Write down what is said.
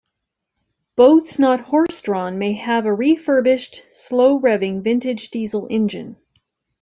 Boats not horse-drawn may have a refurbished, slow-revving, vintage diesel engine.